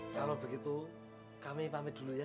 kalau begitu kami pamit dulu ya